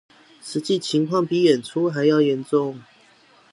實際情況比演出的還嚴重